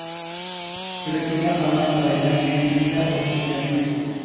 سۈرىتىڭگە قانماي قارايمەن. چۈشلىرىمدە بولسۇن دەپ ئايان.